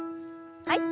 はい。